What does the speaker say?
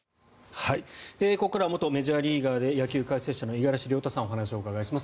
ここからは元メジャーリーガーで野球解説者の五十嵐亮太さんにお話をお伺いします。